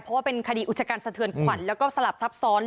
เพราะว่าเป็นคดีอุชกันสะเทือนขวัญแล้วก็สลับซับซ้อน